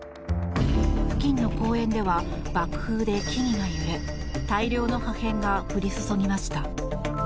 付近の公園では爆風で木々が揺れ大量の破片が降り注ぎました。